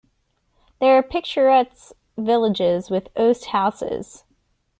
There are picturesque villages with oast houses.